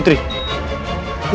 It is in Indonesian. tidak saya takut